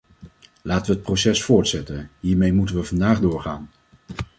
Laten we het proces voortzetten; hiermee moeten we vandaag doorgaan.